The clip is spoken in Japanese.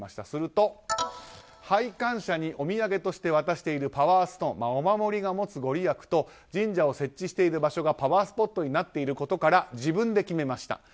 すると、拝観者にお土産として渡しているパワーストーンお守りが持つ御利益と神社を設置している場所がパワースポットになっていることから自分で決めました。